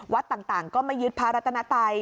วัดต่างก็ไม่ยึดพระรัตนไตย